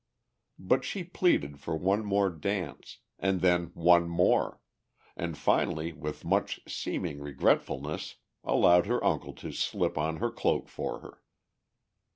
But she pleaded for one more dance, and then one more, and finally with much seeming regretfulness allowed her uncle to slip on her cloak for her.